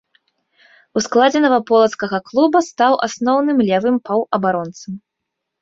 У складзе наваполацкага клуба стаў асноўным левым паўабаронцам.